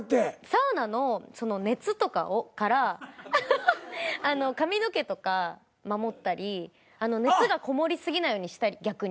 サウナの熱とかから髪の毛とか守ったり熱がこもり過ぎないように逆に。